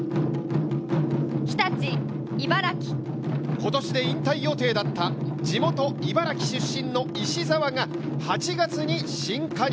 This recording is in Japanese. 今年で引退予定だった地元・茨城出身の石澤が８月に新加入。